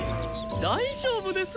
大丈夫です。